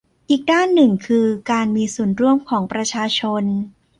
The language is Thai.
อีกด้านหนึ่งคือการมีส่วนร่วมของประชาชน